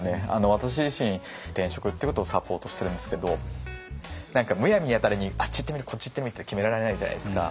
私自身転職っていうことをサポートしてるんですけど何かむやみやたらにあっち行ってみるこっち行ってみるって決められないじゃないですか。